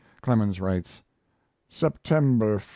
Clemens writes: September 1.